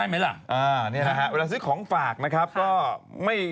เวลาซื้อของฝากนะครับ